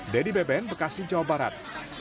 dedy beben bekasi jawa barat